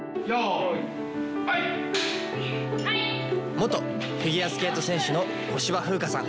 元フィギュアスケート選手の小芝風花さん。